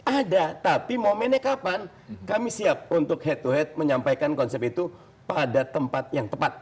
ada tapi momennya kapan kami siap untuk head to head menyampaikan konsep itu pada tempat yang tepat